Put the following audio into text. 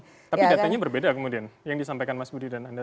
tapi datanya berbeda kemudian yang disampaikan mas budi dan anda